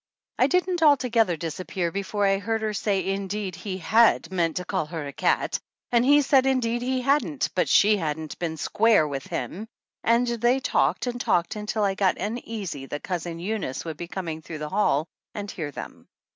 I didn't altogether Disappear before I heard her say indeed he had meant to call her a cat ; and he said indeed he hadn't, but she hadn't been "square" with him, and they talked and talked until I got uneasy that Cousin Eunice would be coming through the hall and hear them.